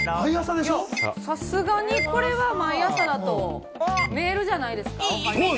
さすがに毎朝だとメールじゃないですか？